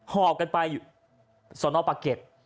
หอบกันไปสอนอบประเก็บ